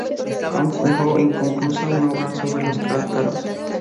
Camps dejó inconclusa una obra sobre los cátaros.